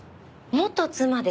元妻です。